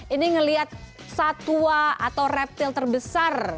ini ngelihat satwa atau reptil terbesar